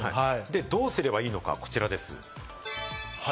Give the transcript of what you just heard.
どうすればいいかが、こちらです。